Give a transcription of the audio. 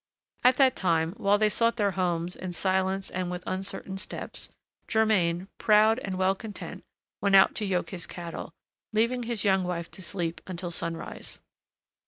At that time, while they sought their homes, in silence and with uncertain steps, Germain, proud and well content, went out to yoke his cattle, leaving his young wife to sleep until sunrise.